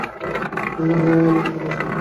এইখানে ভাইবোনের মধ্যে প্রভেদ আছে।